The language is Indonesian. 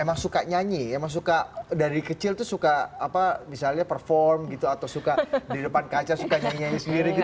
emang suka nyanyi emang suka dari kecil tuh suka apa misalnya perform gitu atau suka di depan kaca suka nyanyi nyanyi sendiri gitu